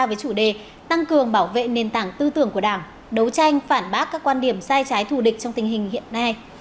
với chủ đề tăng cường bảo vệ nền tảng tư tưởng của đảng đấu tranh phản bác các quan điểm sai trái thù địch trong tình hình hiện nay